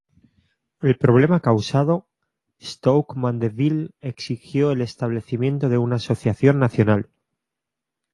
El problema causado Stoke Mandeville exigió el establecimiento de una asociación nacional.